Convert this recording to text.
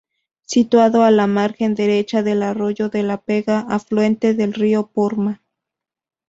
Situado a la margen derecha del Arroyo de la Pega, afluente del Río Porma.